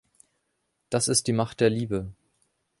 Das ist die Macht der Liebe.